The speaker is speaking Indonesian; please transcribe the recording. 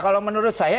kalau menurut saya